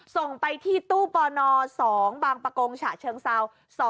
ส่งไปที่ตู้ปน๒บปชเชิงเศร้า๒๔๑๓๐